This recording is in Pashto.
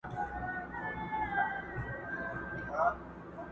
دى بېواكه وو كاڼه يې وه غوږونه!.